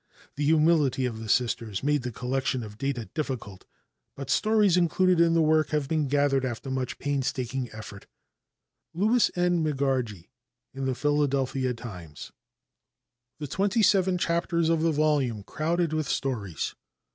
The humility of the Sisters made the collection of data difficult, but stories included in the work have been gathered after much painstaking effort. Louis N. Megargee in the Philadelphia Times. "The Twenty Seven Chapters of the Volume Crowded With Stories."